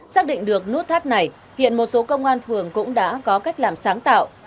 xác định được nút thắt này hiện một số công an phường cũng đã có cách làm sáng tạo